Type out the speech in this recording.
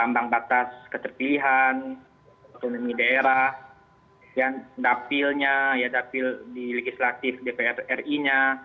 tambang batas keterpilihan autonomi daerah dan dapilnya dapil di legislatif dpr ri nya